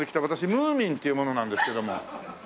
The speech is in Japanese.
ムーミンっていう者なんですけども。